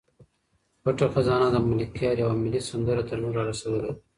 پټه خزانه د ملکیار یوه ملي سندره تر موږ را رسولې ده.